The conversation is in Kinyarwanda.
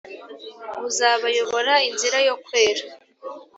Buzabayobora inzira yo kwera.